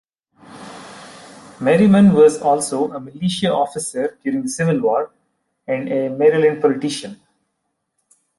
Merryman was also a militia officer during the Civil War, and a Maryland politician.